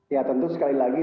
ya tentu sekali lagi